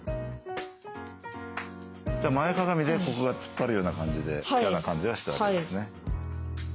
前かがみでここが突っ張るような感じで嫌な感じがしたわけですね。